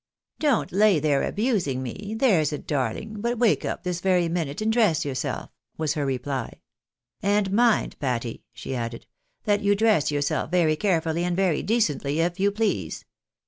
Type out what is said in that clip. " Don't lay there abusing me, there's a darling, but wake up this very minute, and dress yourself," was her reply. " And mind, Patty," she added, "that you dress yourself very carefully and very decently, if you please.